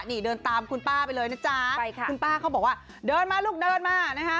นี่เดินตามคุณป้าไปเลยนะจ๊ะใช่ค่ะคุณป้าเขาบอกว่าเดินมาลูกเดินมานะคะ